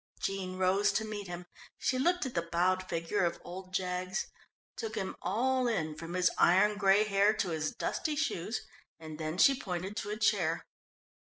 Jean rose to meet him. She looked at the bowed figure of old Jaggs. Took him all in, from his iron grey hair to his dusty shoes, and then she pointed to a chair.